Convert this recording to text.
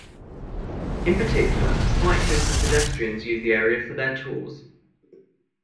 In particular cyclists and pedestrians use the area for their tours.